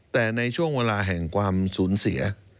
แต่ในช่วงเวลาแห่งความสูญเสีย